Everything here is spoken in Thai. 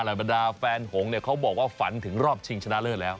ลาวาดาแฟนหงเขาบอกว่าฝันถึงรอบชิงชนะเลิศแล้ว